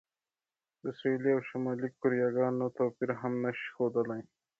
د سویلي او شمالي کوریاګانو توپیر هم نه شي ښودلی.